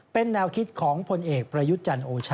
เป็นแนวคิดของผลเอกประยุทธ์จันทร์โอชา